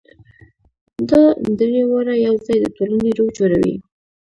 دا درې واړه یو ځای د ټولنې روح جوړوي.